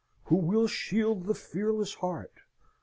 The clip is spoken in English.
"Who will shield the fearless heart?